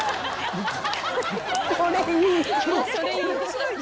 それいい！